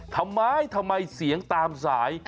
ทำไมเสียงตามสาย